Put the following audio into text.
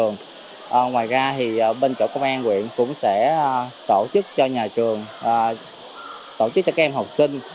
ngoài ra thì bên trở của công an huyện cũng sẽ tổ chức cho nhà trường tổ chức cho các em học sinh